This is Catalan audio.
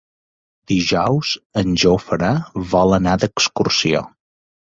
Dijous en Jofre vol anar d'excursió.